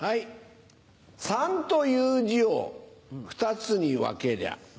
三という字を２つに分けりゃ